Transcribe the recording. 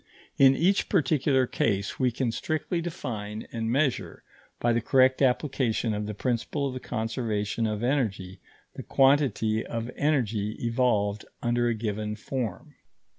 In each particular case we can strictly define and measure, by the correct application of the principle of the conservation of energy, the quantity of energy evolved under a given form.